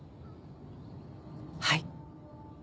はい。